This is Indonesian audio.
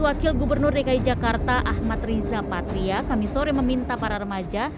wakil gubernur dki jakarta ahmad riza patria kami sore meminta para remaja